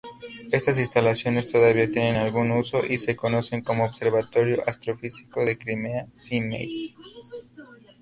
Estas instalaciones todavía tienen algún uso y se conocen como Observatorio Astrofísico de Crimea-Simeiz.